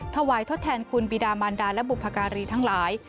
ทดแทนคุณบิดามันดาและบุพการีทั้งหลาย